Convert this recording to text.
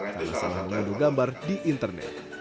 terlalu banyak gambar di internet